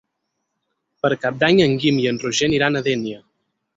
Per Cap d'Any en Guim i en Roger aniran a Dénia.